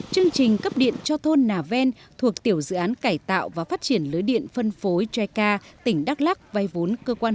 chương trình cấp điện cho thôn nà ven thuộc tiểu dự án cải tạo và phát triển lưới điện phân phối jeca tỉnh đắk lắc vai vốn cơ quan hợp tác quốc tế nhật bản